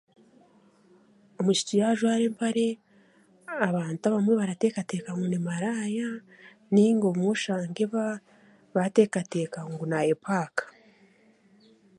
Omwishiki yajwaara empale abantu abamwe barateekateeka ngu nimaraya ninga obumwe oshange bateekateeka ngu nayepanka.